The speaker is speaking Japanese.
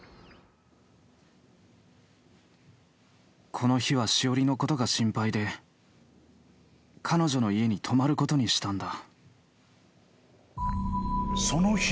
「この日はシオリのことが心配で彼女の家に泊まることにしたんだ」